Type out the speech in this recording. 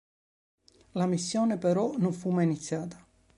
La missione però non fu mai iniziata.